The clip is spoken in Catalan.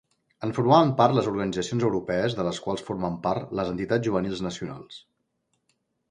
En formaven part les organitzacions europees de les quals formen part les entitats juvenils nacionals.